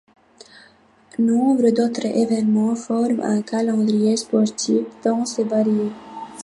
Nombre d'autres événements forment un calendrier sportif dense et varié.